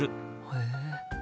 へえ。